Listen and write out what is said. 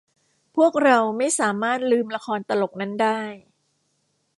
พวกเราไม่สามารถลืมละครตลกนั้นได้